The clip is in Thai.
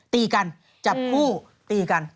ตีกันจับคู่ตีกัน